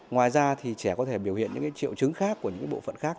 ngoài ra thì trẻ có thể biểu hiện những triệu chứng khác của những bộ phận khác